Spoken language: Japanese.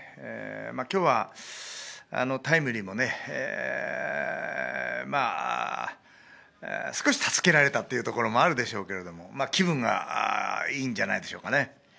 今日はタイムリーも少し助けられたっていうところもあるでしょうけれども、気分がいいんじゃないでしょうかね。